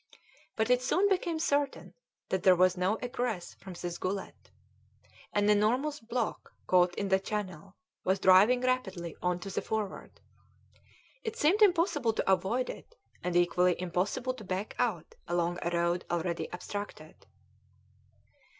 But it soon became certain that there was no egress from this gullet. An enormous block, caught in the channel, was driving rapidly on to the Forward! It seemed impossible to avoid it, and equally impossible to back out along a road already obstructed.